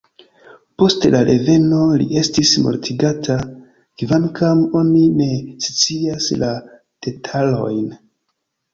Post lia reveno li estis mortigata, kvankam oni ne scias la detalojn.